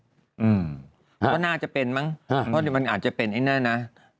ก็น่าจะเป็นมั้งเพราะมันอาจจะเป็นไอ้นั่นนะ